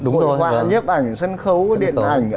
ngội hòa nhếp ảnh sân khấu điện ảnh